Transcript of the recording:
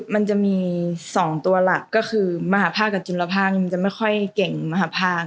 มันจะมีสองตัวหลักก็คือมหาพาคกับจุลภาคก็ค่อยแก่งมหาพาค